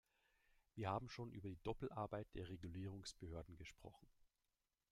Wir haben schon über die Doppelarbeit der Regulierungsbehörden gesprochen.